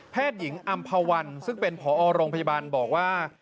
หญิงอำภาวันซึ่งเป็นผอโรงพยาบาลบอกว่า